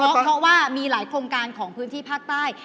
เพราะว่ามีหลายโครงการของพื้นที่ภาคใต้